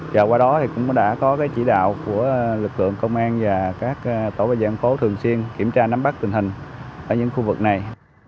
và qua đó thì cũng đã có chỉ đạo của lực lượng công an và các tổ bảo giang phố thường xuyên kiểm tra nắm bắt tình hình ở những khu vực này